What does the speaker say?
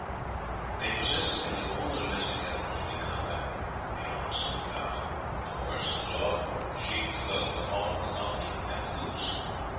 They possessed nearly all the domestic animals we now have the ox and the cow, the horse, the dog, the sheep, the goat, the hog, the donkey, and the goose.